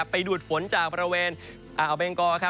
ไปดูดฝนจากบริเวณอ่าวเบงกอ